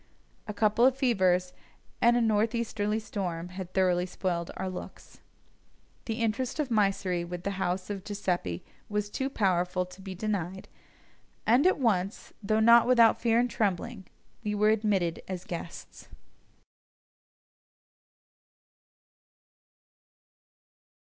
A couple of fevers and a north easterly storm had thoroughly spoiled our looks. The interest of Mysseri with the house of Giuseppini was too powerful to be denied, and at once, though not without fear and trembling, we were admitted as guests.